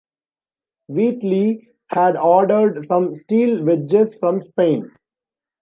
Wheatley had ordered some steel wedges from Spain.